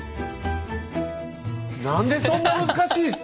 何でそんな難しい！